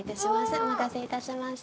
お待たせいたしました。